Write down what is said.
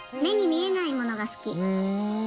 目に見えないものが好き。